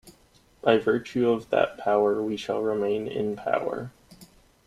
By virtue of that power we shall remain in power.